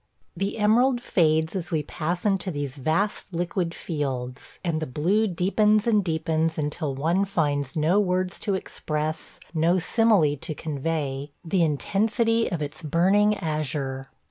The emerald fades as we pass into these vast liquid fields, and the blue deepens and deepens until one finds no words to express, no simile to convey, the intensity of its burning azure.